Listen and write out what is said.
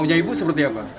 maunya ibu seperti apa